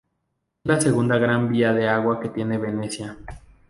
Es la segunda gran vía de agua que tiene Venecia.